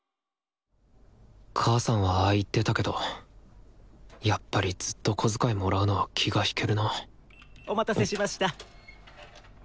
母さんはああ言ってたけどやっぱりずっと小遣いもらうのは気が引けるなお待たせしました。